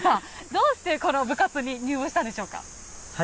どうしてこの部活に入部したんでしょうか。